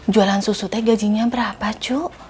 jualan susutnya gajinya berapa cuk